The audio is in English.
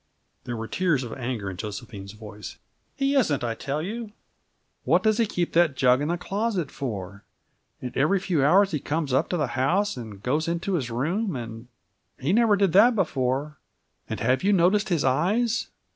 There were tears of anger in Josephine's voice. "He isn't, I tell you!" "What does he keep that jug in the closet for? And every few hours he comes up to the house and goes into his room and he never did that before. And have you noticed his eyes?